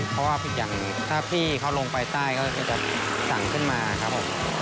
เพราะว่าพี่เขาลงไปใต้ก็จะสั่งขึ้นมาครับ